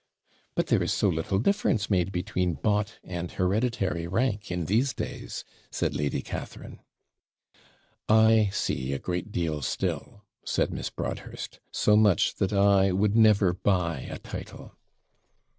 'But there is so little difference made between bought and hereditary rank in these days,' said Lady Catharine. 'I see a great deal still,' said Miss Broadhurst; 'so much, that I would never buy a title.'